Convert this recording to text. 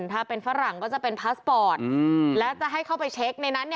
ถ้าเป็นฝรั่งก็จะเป็นพาสปอร์ตแล้วจะให้เข้าไปเช็คในนั้น